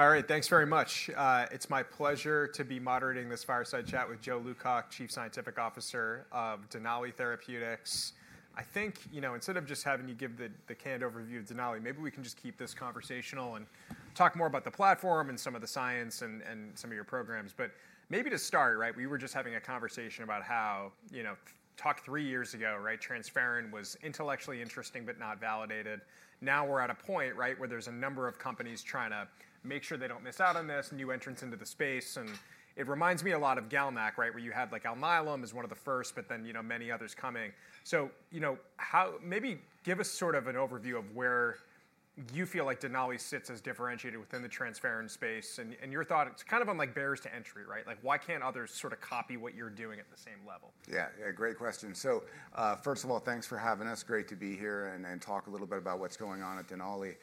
All right, thanks very much. It's my pleasure to be moderating this fireside chat with Joe Lewcock, Chief Scientific Officer of Denali Therapeutics. I think, you know, instead of just having you give the canned overview of Denali, maybe we can just keep this conversational and talk more about the platform and some of the science and some of your programs. But maybe to start, right, we were just having a conversation about how, you know, talk three years ago, right, transport was intellectually interesting but not validated. Now we're at a point, right, where there's a number of companies trying to make sure they don't miss out on this new entry into the space. And it reminds me a lot of GalNAc, right, where you had like Alnylam as one of the first, but then, you know, many others coming. You know, how, maybe give us sort of an overview of where you feel like Denali sits as differentiated within the transport space and your thought. It's kind of high barriers to entry, right? Like why can't others sort of copy what you're doing at the same level? Yeah, yeah, great question. So first of all, thanks for having us. Great to be here and talk a little bit about what's going on at Denali.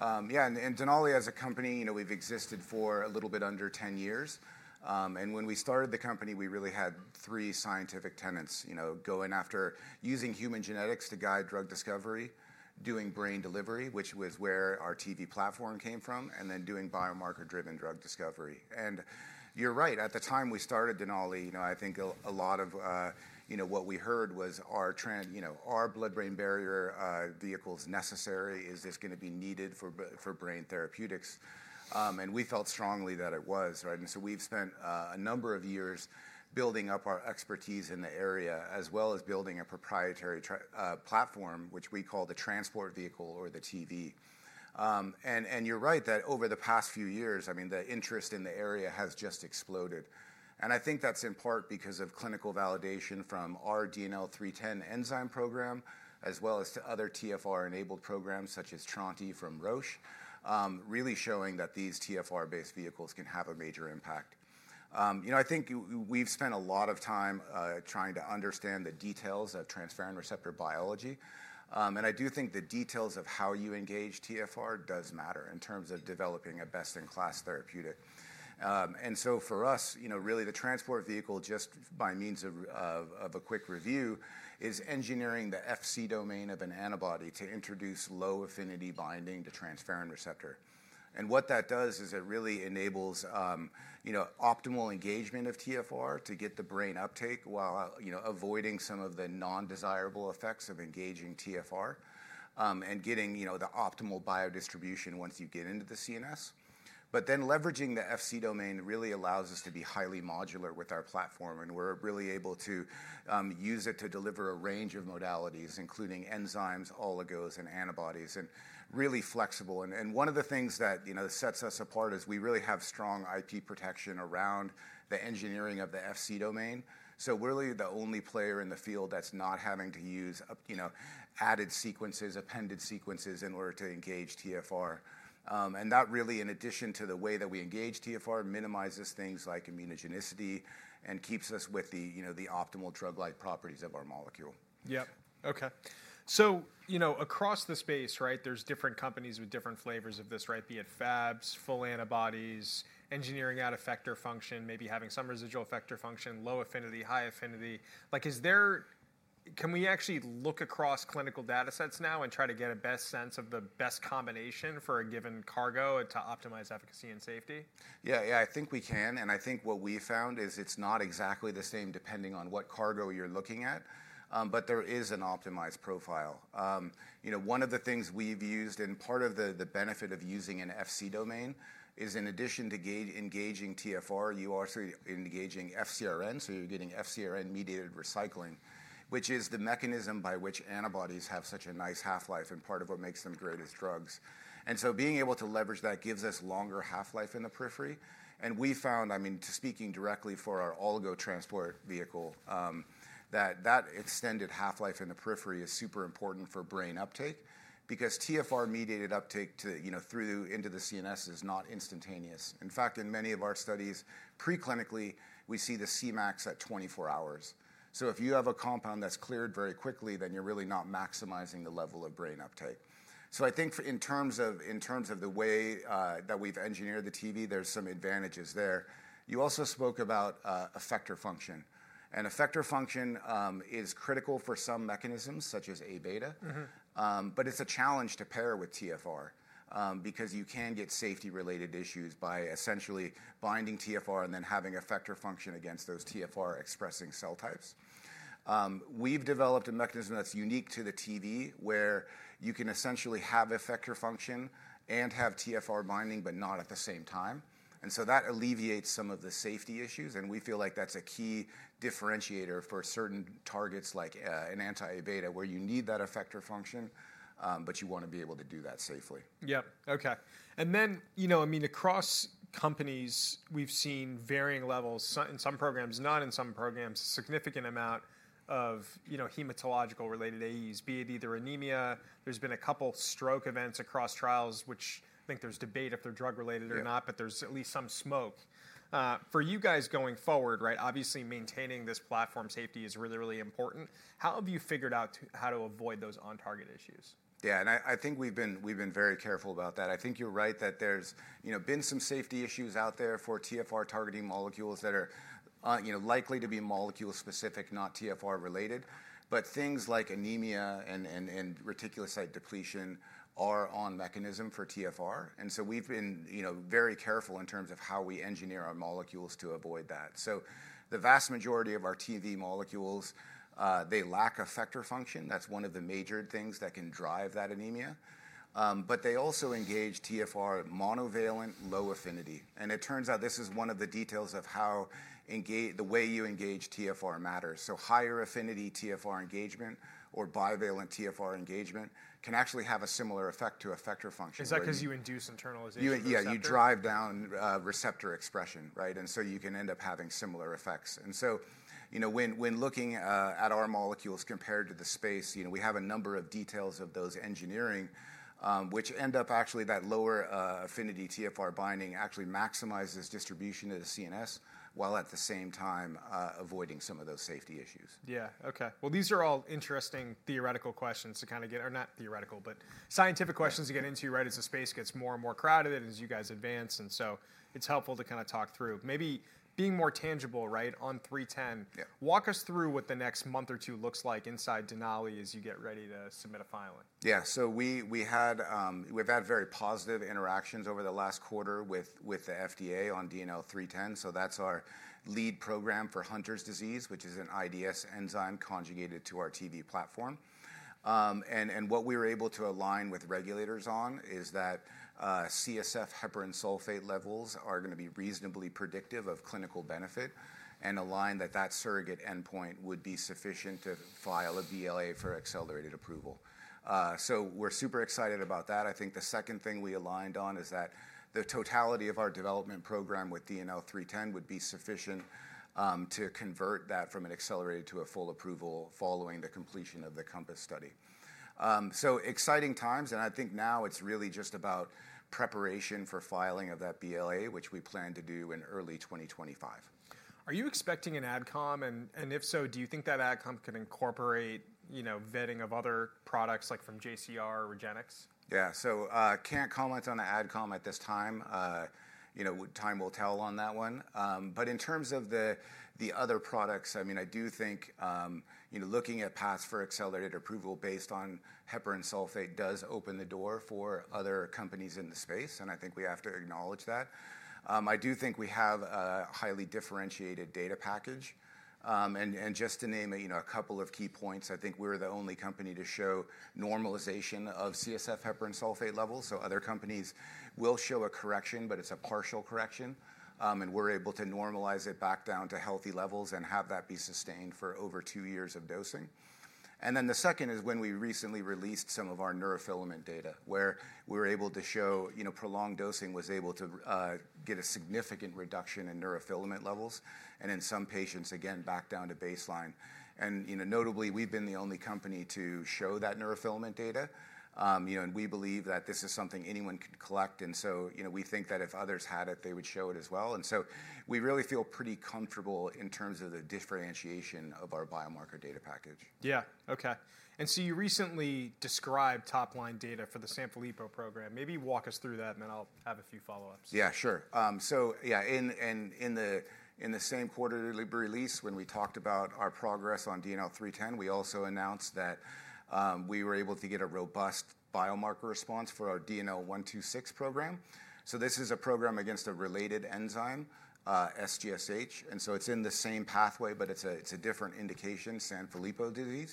Yeah, and Denali as a company, you know, we've existed for a little bit under 10 years. And when we started the company, we really had three scientific tenets, you know, going after using human genetics to guide drug discovery, doing brain delivery, which was where our TV platform came from, and then doing biomarker-driven drug discovery. And you're right, at the time we started Denali, you know, I think a lot of, you know, what we heard was our, you know, our blood-brain barrier vehicle's necessary. Is this going to be needed for brain therapeutics? And we felt strongly that it was, right? And so we've spent a number of years building up our expertise in the area as well as building a proprietary platform, which we call the transport vehicle or the TV. And you're right that over the past few years, I mean, the interest in the area has just exploded. And I think that's in part because of clinical validation from our DNL310 enzyme program, as well as to other TfR-enabled programs such as Tronte from Roche, really showing that these TfR-based vehicles can have a major impact. You know, I think we've spent a lot of time trying to understand the details of transferrin receptor biology. And I do think the details of how you engage TfR does matter in terms of developing a best-in-class therapeutic. And so for us, you know, really the transport vehicle just by means of a quick review is engineering the Fc domain of an antibody to introduce low affinity binding to transferrin receptor. And what that does is it really enables, you know, optimal engagement of TfR to get the brain uptake while, you know, avoiding some of the non-desirable effects of engaging TfR and getting, you know, the optimal biodistribution once you get into the CNS. But then leveraging the Fc domain really allows us to be highly modular with our platform. And we're really able to use it to deliver a range of modalities, including enzymes, oligos, and antibodies, and really flexible. And one of the things that, you know, sets us apart is we really have strong IP protection around the engineering of the Fc domain. So we're really the only player in the field that's not having to use, you know, added sequences, appended sequences in order to engage TfR. And that really, in addition to the way that we engage TfR, minimizes things like immunogenicity and keeps us with the, you know, the optimal drug-like properties of our molecule. Yep. Okay. So, you know, across the space, right, there's different companies with different flavors of this, right, be it Fabs, full antibodies, engineering out effector function, maybe having some residual effector function, low affinity, high affinity. Like, is there, can we actually look across clinical datasets now and try to get a best sense of the best combination for a given cargo to optimize efficacy and safety? Yeah, yeah, I think we can. And I think what we found is it's not exactly the same depending on what cargo you're looking at, but there is an optimized profile. You know, one of the things we've used and part of the benefit of using an Fc domain is in addition to engaging TfR, you are also engaging FcRn. So you're getting FcRn-mediated recycling, which is the mechanism by which antibodies have such a nice half-life and part of what makes them great as drugs. And so being able to leverage that gives us longer half-life in the periphery. And we found, I mean, speaking directly for our oligo transport vehicle, that that extended half-life in the periphery is super important for brain uptake because TfR-mediated uptake to, you know, through into the CNS is not instantaneous. In fact, in many of our studies, pre-clinically, we see the Cmax at 24 hours. So if you have a compound that's cleared very quickly, then you're really not maximizing the level of brain uptake. So I think in terms of the way that we've engineered the TV, there's some advantages there. You also spoke about effector function. And effector function is critical for some mechanisms such as Aβ, but it's a challenge to pair with TfR because you can get safety-related issues by essentially binding TfR and then having effector function against those TfR-expressing cell types. We've developed a mechanism that's unique to the TV where you can essentially have effector function and have TfR binding, but not at the same time. And so that alleviates some of the safety issues. We feel like that's a key differentiator for certain targets like an anti-Aβ where you need that effector function, but you want to be able to do that safely. Yep. Okay. And then, you know, I mean, across companies, we've seen varying levels in some programs, not in some programs, a significant amount of, you know, hematological-related AEs, be it either anemia. There's been a couple stroke events across trials, which I think there's debate if they're drug-related or not, but there's at least some smoke. For you guys going forward, right, obviously maintaining this platform safety is really, really important. How have you figured out how to avoid those on-target issues? Yeah, and I think we've been very careful about that. I think you're right that there's, you know, been some safety issues out there for TfR-targeting molecules that are, you know, likely to be molecule-specific, not TfR-related. But things like anemia and reticulocyte depletion are on mechanism for TfR. And so we've been, you know, very careful in terms of how we engineer our molecules to avoid that. So the vast majority of our TV molecules, they lack effector function. That's one of the major things that can drive that anemia. But they also engage TfR monovalent, low affinity. And it turns out this is one of the details of how the way you engage TfR matters. So higher affinity TfR engagement or bivalent TfR engagement can actually have a similar effect to effector function. Is that because you induce internalization? Yeah, you drive down receptor expression, right? And so you can end up having similar effects. And so, you know, when looking at our molecules compared to the space, you know, we have a number of details of those engineering, which end up actually that lower affinity TfR binding actually maximizes distribution to the CNS while at the same time avoiding some of those safety issues. Yeah. Okay. Well, these are all interesting theoretical questions to kind of get, or not theoretical, but scientific questions to get into, right, as the space gets more and more crowded and as you guys advance, and so it's helpful to kind of talk through. Maybe being more tangible, right, on 310, walk us through what the next month or two looks like inside Denali as you get ready to submit a filing. Yeah, so we've had very positive interactions over the last quarter with the FDA on DNL310. So that's our lead program for Hunter syndrome, which is an IDS enzyme conjugated to our TV platform. And what we were able to align with regulators on is that CSF heparan sulfate levels are going to be reasonably predictive of clinical benefit and that surrogate endpoint would be sufficient to file a BLA for accelerated approval. So we're super excited about that. I think the second thing we aligned on is that the totality of our development program with DNL310 would be sufficient to convert that from an accelerated to a full approval following the completion of the COMPASS study. So exciting times. And I think now it's really just about preparation for filing of that BLA, which we plan to do in early 2025. Are you expecting an adcom? And if so, do you think that adcom can incorporate, you know, vetting of other products like from JCR or REGENXBIO? Yeah. So I can't comment on the adcom at this time. You know, time will tell on that one. But in terms of the other products, I mean, I do think, you know, looking at paths for accelerated approval based on heparan sulfate does open the door for other companies in the space. And I think we have to acknowledge that. I do think we have a highly differentiated data package. And just to name a, you know, a couple of key points, I think we're the only company to show normalization of CSF heparan sulfate levels. So other companies will show a correction, but it's a partial correction. And we're able to normalize it back down to healthy levels and have that be sustained for over two years of dosing. And then the second is when we recently released some of our neurofilament data where we were able to show, you know, prolonged dosing was able to get a significant reduction in neurofilament levels. And in some patients, again, back down to baseline. And, you know, notably, we've been the only company to show that neurofilament data. You know, and we believe that this is something anyone could collect. And so, you know, we think that if others had it, they would show it as well. And so we really feel pretty comfortable in terms of the differentiation of our biomarker data package. Yeah. Okay. And so you recently described top-line data for the Sanfilippo program. Maybe walk us through that and then I'll have a few follow-ups. Yeah, sure. So yeah, in the same quarterly release when we talked about our progress on DNL310, we also announced that we were able to get a robust biomarker response for our DNL126 program. So this is a program against a related enzyme, SGSH. And so it's in the same pathway, but it's a different indication, Sanfilippo syndrome.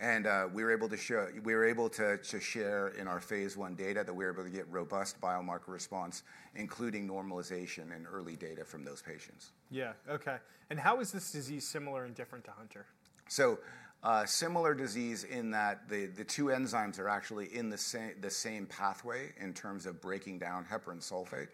And we were able to show, we were able to share in our phase I data that we were able to get robust biomarker response, including normalization and early data from those patients. Yeah. Okay. And how is this disease similar and different to Hunter? Similar disease in that the two enzymes are actually in the same pathway in terms of breaking down heparan sulfate.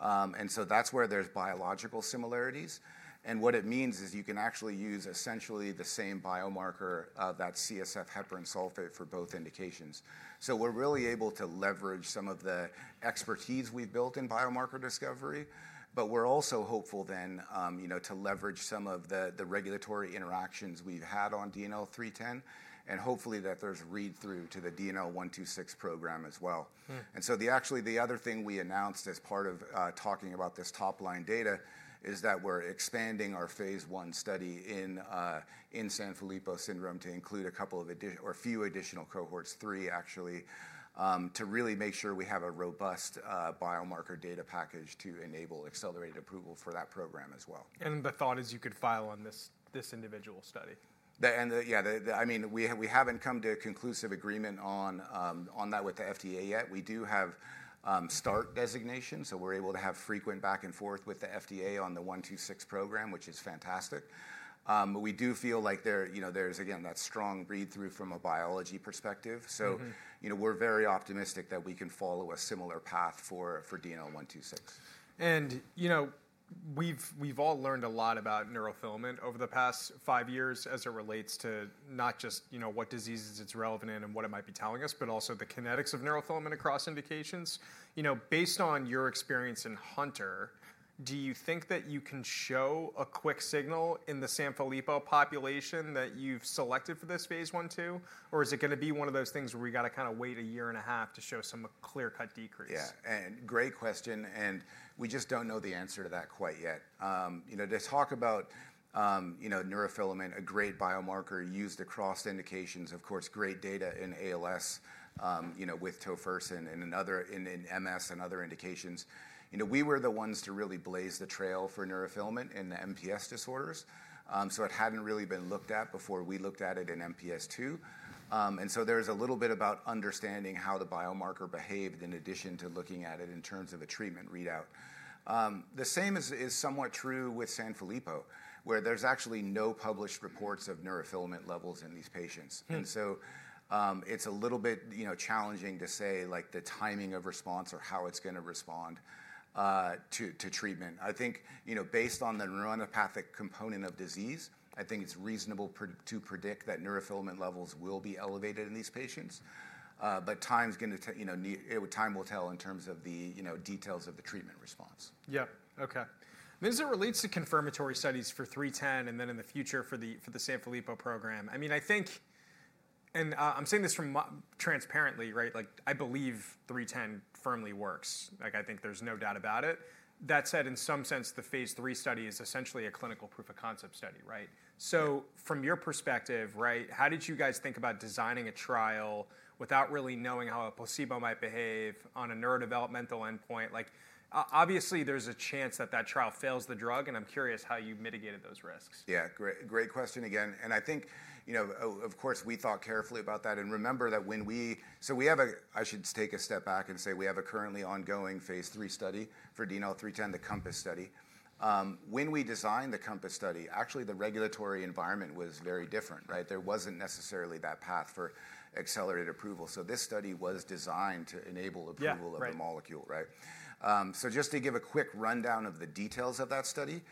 And so that's where there's biological similarities. And what it means is you can actually use essentially the same biomarker of that CSF heparan sulfate for both indications. So we're really able to leverage some of the expertise we've built in biomarker discovery, but we're also hopeful then, you know, to leverage some of the regulatory interactions we've had on DNL310 and hopefully that there's read-through to the DNL126 program as well. Actually, the other thing we announced as part of talking about this top-line data is that we're expanding our phase I study in Sanfilippo syndrome to include a couple of additional or few additional cohorts, three actually, to really make sure we have a robust biomarker data package to enable accelerated approval for that program as well. The thought is you could file on this individual study. Yeah. I mean, we haven't come to a conclusive agreement on that with the FDA yet. We do have START designation. So we're able to have frequent back and forth with the FDA on the 126 program, which is fantastic. But we do feel like there, you know, there's again, that strong read-through from a biology perspective. So, you know, we're very optimistic that we can follow a similar path for DNL126. You know, we've all learned a lot about neurofilament over the past five years as it relates to not just, you know, what diseases it's relevant in and what it might be telling us, but also the kinetics of neurofilament across indications. You know, based on your experience in Hunter, do you think that you can show a quick signal in the Sanfilippo population that you've selected for this phase I too? Or is it going to be one of those things where we got to kind of wait a year and a half to show some clear-cut decrease? Yeah, and great question, and we just don't know the answer to that quite yet. You know, to talk about, you know, neurofilament, a great biomarker used across indications, of course, great data in ALS, you know, with tofersen and in MS and other indications. You know, we were the ones to really blaze the trail for neurofilament in the MPS disorders. So it hadn't really been looked at before we looked at it in MPS2. And so there's a little bit about understanding how the biomarker behaved in addition to looking at it in terms of a treatment readout. The same is somewhat true with Sanfilippo, where there's actually no published reports of neurofilament levels in these patients. And so it's a little bit, you know, challenging to say like the timing of response or how it's going to respond to treatment. I think, you know, based on the neuronopathic component of disease, I think it's reasonable to predict that neurofilament levels will be elevated in these patients. But time's going to, you know, time will tell in terms of the, you know, details of the treatment response. Yep. Okay. And as it relates to confirmatory studies for 310 and then in the future for the Sanfilippo program, I mean, I think, and I'm saying this transparently, right? Like I believe 310 firmly works. Like I think there's no doubt about it. That said, in some sense, the phase three study is essentially a clinical proof of concept study, right? So from your perspective, right, how did you guys think about designing a trial without really knowing how a placebo might behave on a neurodevelopmental endpoint? Like obviously there's a chance that that trial fails the drug. And I'm curious how you mitigated those risks. Yeah. Great question again, and I think, you know, of course we thought carefully about that, and remember that when we, so we have a, I should take a step back and say we have a currently ongoing phase three study for DNL310, the COMPASS study. When we designed the COMPASS study, actually the regulatory environment was very different, right? There wasn't necessarily that path for accelerated approval, so this study was designed to enable approval of a molecule, right, so just to give a quick rundown of the details of that study,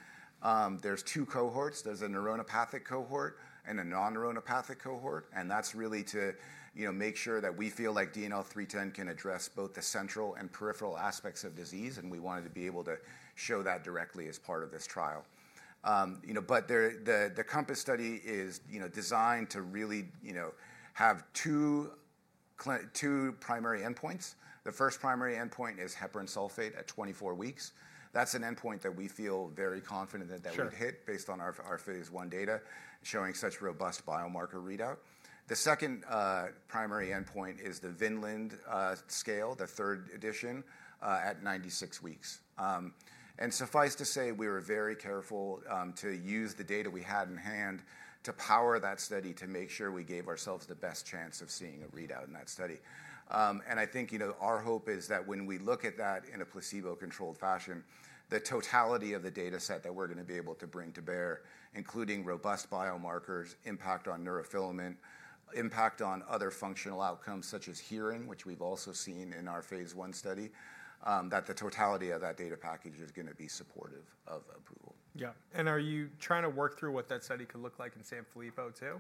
there's two cohorts. There's a neuronopathic cohort and a non-neuronopathic cohort, and that's really to, you know, make sure that we feel like DNL310 can address both the central and peripheral aspects of disease, and we wanted to be able to show that directly as part of this trial. You know, but the COMPASS study is, you know, designed to really, you know, have two primary endpoints. The first primary endpoint is heparan sulfate at 24 weeks. That's an endpoint that we feel very confident that we hit based on our phase I data showing such robust biomarker readout. The second primary endpoint is the Vineland scale, the third edition at 96 weeks. And suffice to say, we were very careful to use the data we had in hand to power that study to make sure we gave ourselves the best chance of seeing a readout in that study. I think, you know, our hope is that when we look at that in a placebo-controlled fashion, the totality of the data set that we're going to be able to bring to bear, including robust biomarkers, impact on neurofilament, impact on other functional outcomes such as hearing, which we've also seen in our phase 1 study, that the totality of that data package is going to be supportive of approval. Yeah. And are you trying to work through what that study could look like in Sanfilippo too?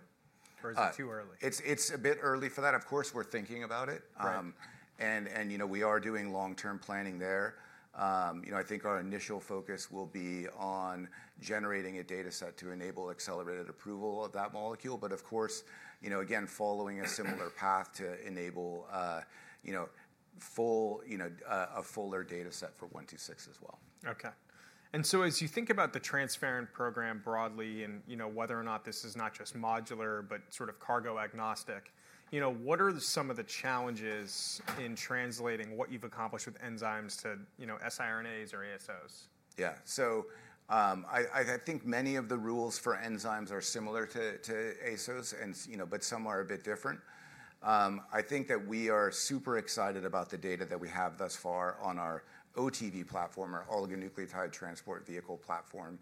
Or is it too early? It's a bit early for that. Of course we're thinking about it. And, you know, we are doing long-term planning there. You know, I think our initial focus will be on generating a data set to enable accelerated approval of that molecule. But of course, you know, again, following a similar path to enable, you know, full, you know, a fuller data set for 126 as well. Okay. And so as you think about the Transport program broadly and, you know, whether or not this is not just modular, but sort of cargo agnostic, you know, what are some of the challenges in translating what you've accomplished with enzymes to, you know, siRNAs or ASOs? Yeah. So I think many of the rules for enzymes are similar to ASOs, and, you know, but some are a bit different. I think that we are super excited about the data that we have thus far on our OTV platform, our oligonucleotide transport vehicle platform,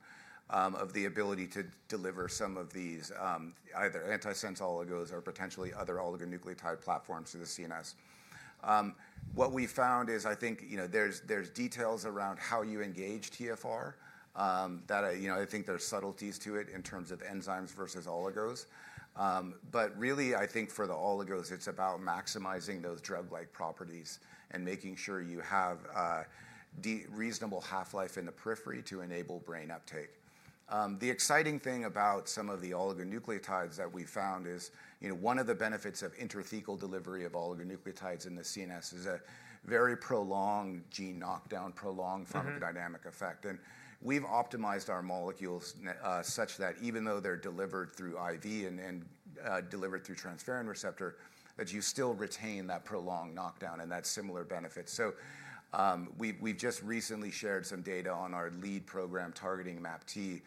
of the ability to deliver some of these either antisense oligos or potentially other oligonucleotide platforms to the CNS. What we found is I think, you know, there's details around how you engage TfR that, you know, I think there's subtleties to it in terms of enzymes versus oligos. But really I think for the oligos, it's about maximizing those drug-like properties and making sure you have reasonable half-life in the periphery to enable brain uptake. The exciting thing about some of the oligonucleotides that we found is, you know, one of the benefits of intrathecal delivery of oligonucleotides in the CNS is a very prolonged gene knockdown, prolonged pharmacodynamic effect. And we've optimized our molecules such that even though they're delivered through IV and delivered through transferrin receptor, that you still retain that prolonged knockdown and that similar benefit. So we've just recently shared some data on our lead program targeting MAPT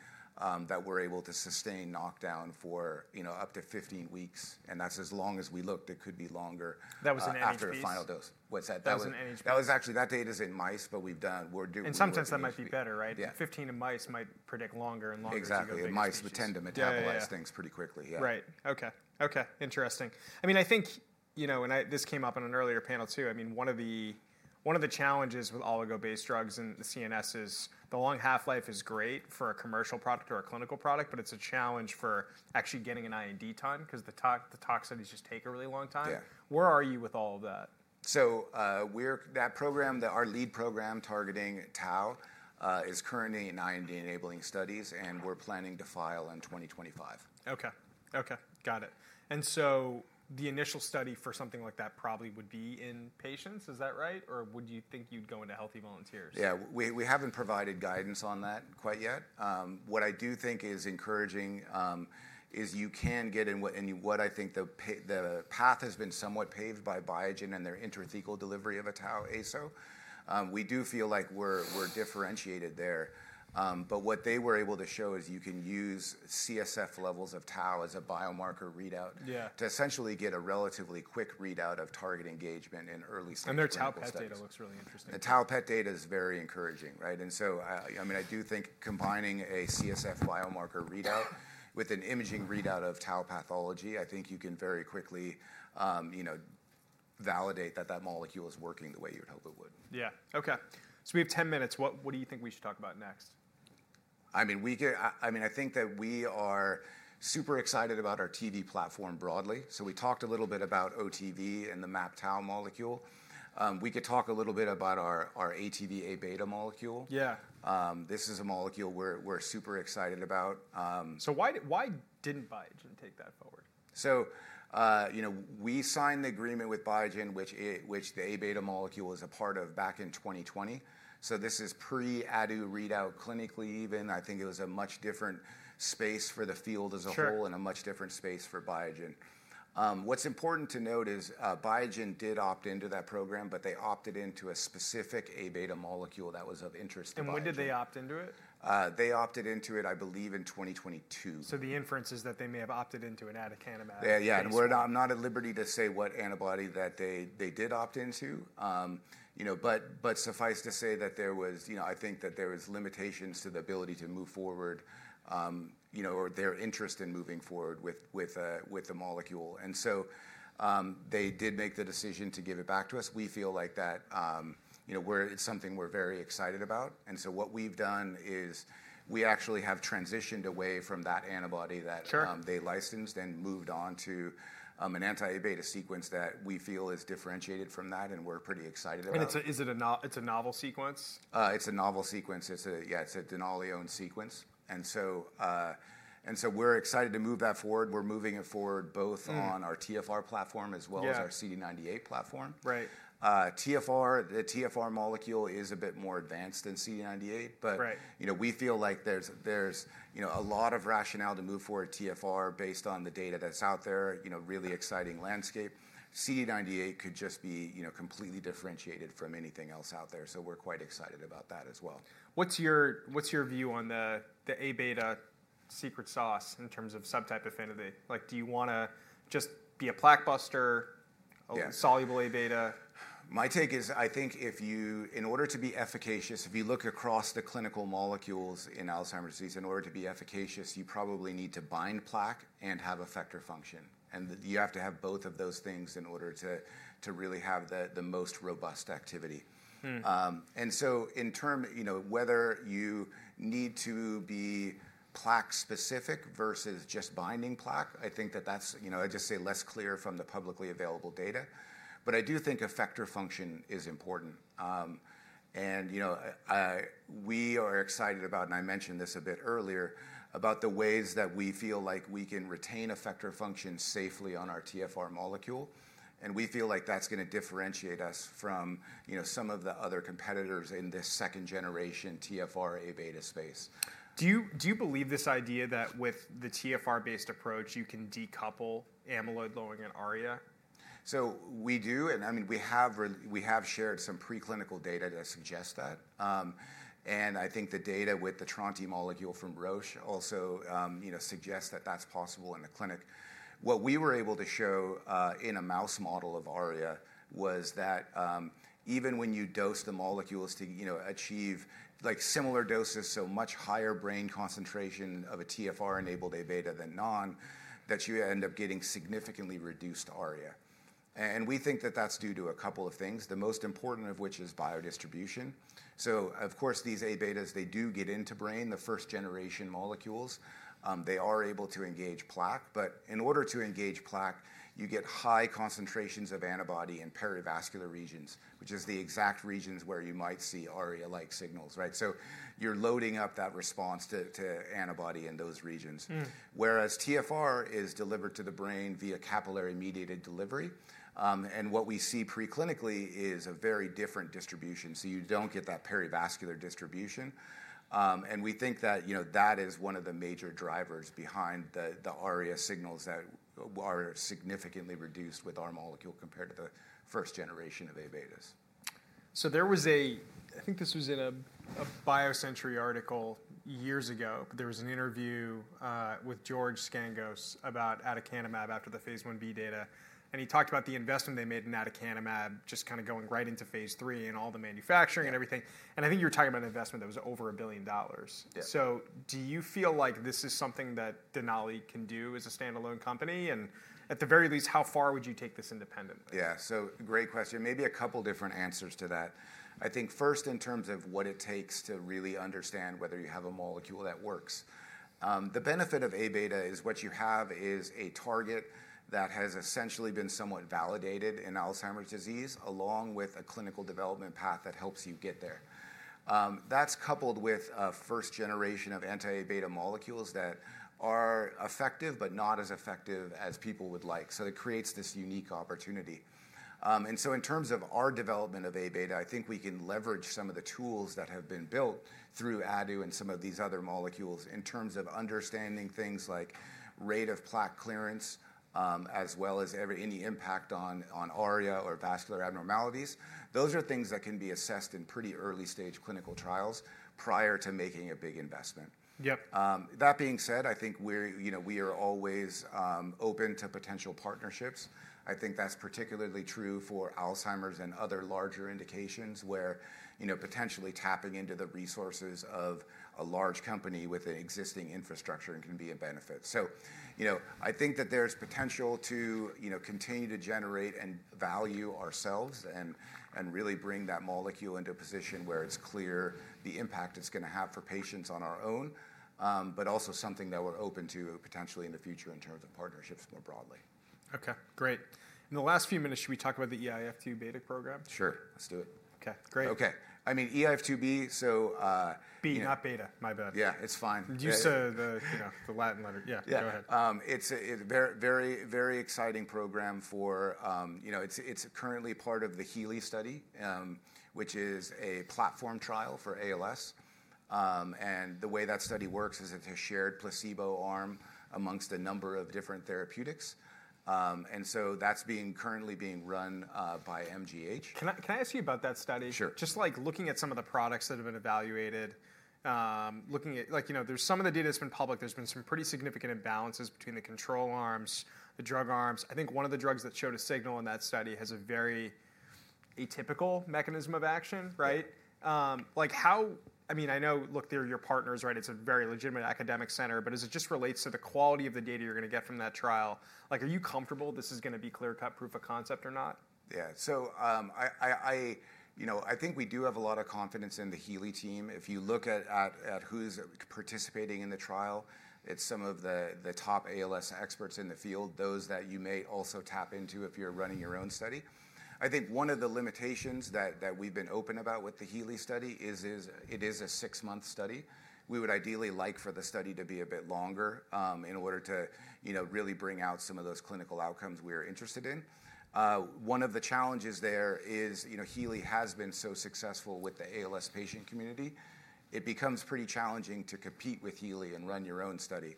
that we're able to sustain knockdown for, you know, up to 15 weeks. And that's as long as we looked. It could be longer. That was an NHP. After the final dose. What's that? That was an NHP. That was actually, that data is in mice, but we're doing. And sometimes that might be better, right? 15 in mice might predict longer and longer in mice. Exactly. Mice tend to metabolize things pretty quickly. Yeah. Right. Okay. Okay. Interesting. I mean, I think, you know, and this came up on an earlier panel too. I mean, one of the challenges with oligo-based drugs in the CNS is the long half-life is great for a commercial product or a clinical product, but it's a challenge for actually getting an IND time because the toxins just take a really long time. Where are you with all of that? That program, our lead program targeting tau is currently in IND enabling studies and we're planning to file in 2025. Okay. Okay. Got it. And so the initial study for something like that probably would be in patients, is that right? Or would you think you'd go into healthy volunteers? Yeah. We haven't provided guidance on that quite yet. What I do think is encouraging is you can get in what I think the path has been somewhat paved by Biogen and their intrathecal delivery of a Tau ASO. We do feel like we're differentiated there. But what they were able to show is you can use CSF levels of Tau as a biomarker readout to essentially get a relatively quick readout of target engagement in early stages. Their tau PET data looks really interesting. The tau PET data is very encouraging, right? And so, I mean, I do think combining a CSF biomarker readout with an imaging readout of tau pathology, I think you can very quickly, you know, validate that that molecule is working the way you would hope it would. Yeah. Okay. So we have 10 minutes. What do you think we should talk about next? I mean, I think that we are super excited about our TV platform broadly. So we talked a little bit about OTV and the MAPT Tau molecule. We could talk a little bit about our ATV:Aβ molecule. Yeah. This is a molecule we're super excited about. So why didn't Biogen take that forward? So, you know, we signed the agreement with Biogen, which the Aβ molecule was a part of back in 2020. So this is pre-ADU readout clinically even. I think it was a much different space for the field as a whole and a much different space for Biogen. What's important to note is Biogen did opt into that program, but they opted into a specific Aβ molecule that was of interest to us. When did they opt into it? They opted into it, I believe, in 2022. The inference is that they may have opted into an Aducanumab. Yeah. Yeah. And we're not, I'm not at liberty to say what antibody that they did opt into, you know, but suffice to say that there was, you know, I think that there were limitations to the ability to move forward, you know, or their interest in moving forward with the molecule. And so they did make the decision to give it back to us. We feel like that, you know, we're, it's something we're very excited about. And so what we've done is we actually have transitioned away from that antibody that they licensed and moved on to an anti-Aβ sequence that we feel is differentiated from that. And we're pretty excited about it. I mean, is it a novel sequence? It's a novel sequence. It's a Denali-owned sequence, and so we're excited to move that forward. We're moving it forward both on our TfR platform as well as our CD98 platform. Right. TfR, the TfR molecule is a bit more advanced than CD98, but, you know, we feel like there's, you know, a lot of rationale to move forward TfR based on the data that's out there, you know, really exciting landscape. CD98 could just be, you know, completely differentiated from anything else out there. So we're quite excited about that as well. What's your view on the Aβ secret sauce in terms of subtype affinity? Like do you want to just be a plaque buster, a soluble Aβ? My take is I think if you, in order to be efficacious, if you look across the clinical molecules in Alzheimer's disease, in order to be efficacious, you probably need to bind plaque and have effector function. And you have to have both of those things in order to really have the most robust activity. And so in terms, you know, whether you need to be plaque specific versus just binding plaque, I think that that's, you know, I just say less clear from the publicly available data. But I do think effector function is important. And, you know, we are excited about, and I mentioned this a bit earlier, about the ways that we feel like we can retain effector function safely on our TfR molecule. And we feel like that's going to differentiate us from, you know, some of the other competitors in this second generation TfR Aβ space. Do you believe this idea that with the TfR-based approach, you can decouple amyloid-loading and ARIA? So we do. And I mean, we have shared some preclinical data that suggest that. And I think the data with the Tronte molecule from Roche also, you know, suggests that that's possible in the clinic. What we were able to show in a mouse model of ARIA was that even when you dose the molecules to, you know, achieve like similar doses, so much higher brain concentration of a TfR-enabled Aβ than non, that you end up getting significantly reduced ARIA. And we think that that's due to a couple of things, the most important of which is biodistribution. So of course these Aβs, they do get into brain, the first generation molecules, they are able to engage plaque. But in order to engage plaque, you get high concentrations of antibody in perivascular regions, which is the exact regions where you might see ARIA-like signals, right? So you're loading up that response to antibody in those regions. Whereas TfR is delivered to the brain via capillary mediated delivery. And what we see preclinically is a very different distribution. So you don't get that perivascular distribution. And we think that, you know, that is one of the major drivers behind the ARIA signals that are significantly reduced with our molecule compared to the first generation of Aβs. So there was a. I think this was in a BioCentury article years ago, but there was an interview with George Scangos about Aducanumab after the phase I-B data. And he talked about the investment they made in Aducanumab just kind of going right into phase III and all the manufacturing and everything. And I think you're talking about an investment that was over $1 billion. So do you feel like this is something that Denali can do as a standalone company? And at the very least, how far would you take this independently? Yeah. So great question. Maybe a couple different answers to that. I think first in terms of what it takes to really understand whether you have a molecule that works. The benefit of Aβ is what you have is a target that has essentially been somewhat validated in Alzheimer's disease along with a clinical development path that helps you get there. That's coupled with a first generation of anti-Aβ molecules that are effective, but not as effective as people would like. So it creates this unique opportunity. And so in terms of our development of Aβ, I think we can leverage some of the tools that have been built through ADU and some of these other molecules in terms of understanding things like rate of plaque clearance, as well as any impact on ARIA or vascular abnormalities. Those are things that can be assessed in pretty early stage clinical trials prior to making a big investment. Yep. That being said, I think we're, you know, we are always open to potential partnerships. I think that's particularly true for Alzheimer's and other larger indications where, you know, potentially tapping into the resources of a large company with an existing infrastructure can be a benefit. So, you know, I think that there's potential to, you know, continue to generate and value ourselves and really bring that molecule into a position where it's clear the impact it's going to have for patients on our own, but also something that we're open to potentially in the future in terms of partnerships more broadly. Okay. Great. In the last few minutes, should we talk about the eIF2B program? Sure. Let's do it. Okay. Great. Okay. I mean, eIF2B, so. B, not beta. My bad. Yeah. It's fine. Due to the, you know, the Latin letter. Yeah. Go ahead. Yeah. It's a very, very, very exciting program for, you know, it's currently part of the Healey study, which is a platform trial for ALS, and the way that study works is it has shared placebo arm among a number of different therapeutics, and so that's being currently run by MGH. Can I ask you about that study? Sure. Just like looking at some of the products that have been evaluated, looking at like, you know, there's some of the data that's been public, there's been some pretty significant imbalances between the control arms, the drug arms. I think one of the drugs that showed a signal in that study has a very atypical mechanism of action, right? Like how, I mean, I know, look, they're your partners, right? It's a very legitimate academic center, but as it just relates to the quality of the data you're going to get from that trial, like are you comfortable this is going to be clear-cut proof of concept or not? Yeah. So I, you know, I think we do have a lot of confidence in the Healey team. If you look at who's participating in the trial, it's some of the top ALS experts in the field, those that you may also tap into if you're running your own study. I think one of the limitations that we've been open about with the Healey study is it is a six-month study. We would ideally like for the study to be a bit longer in order to, you know, really bring out some of those clinical outcomes we are interested in. One of the challenges there is, you know, Healey has been so successful with the ALS patient community, it becomes pretty challenging to compete with Healey and run your own study.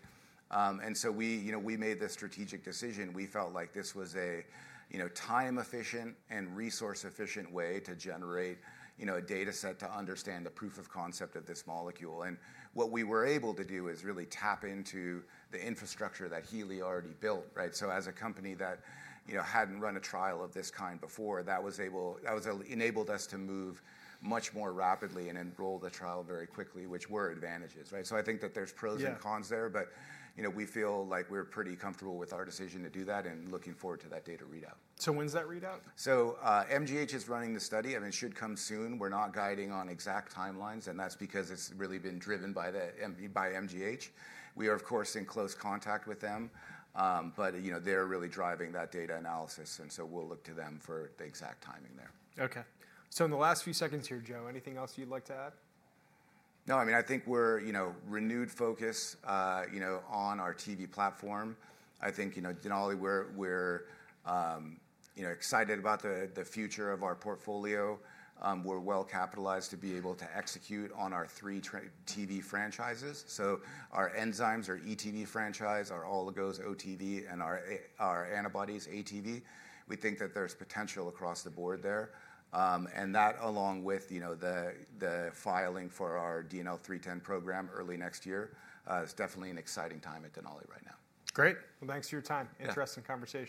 And so we, you know, we made the strategic decision. We felt like this was a, you know, time-efficient and resource-efficient way to generate, you know, a data set to understand the proof of concept of this molecule. And what we were able to do is really tap into the infrastructure that Healy already built, right? So as a company that, you know, hadn't run a trial of this kind before, that enabled us to move much more rapidly and enroll the trial very quickly, which were advantages, right? So I think that there's pros and cons there, but, you know, we feel like we're pretty comfortable with our decision to do that and looking forward to that data readout. So when's that readout? So MGH is running the study. I mean, it should come soon. We're not guiding on exact timelines. And that's because it's really been driven by MGH. We are, of course, in close contact with them, but, you know, they're really driving that data analysis. And so we'll look to them for the exact timing there. Okay, so in the last few seconds here, Joe, anything else you'd like to add? No. I mean, I think we're, you know, renewed focus, you know, on our TV platform. I think, you know, Denali, we're, you know, excited about the future of our portfolio. We're well capitalized to be able to execute on our three TV franchises. So our enzymes are ETV franchise, our oligos OTV, and our antibodies ATV. We think that there's potential across the board there. And that along with, you know, the filing for our DNL310 program early next year is definitely an exciting time at Denali right now. Great. Well, thanks for your time. Interesting conversation.